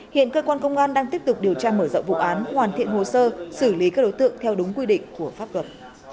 hiện cơ quan công an đang tiếp tục điều tra mở rộng vụ án hoàn thiện hồ sơ xử lý các đối tượng theo đúng quy định của pháp luật